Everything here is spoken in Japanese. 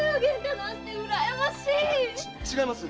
違います！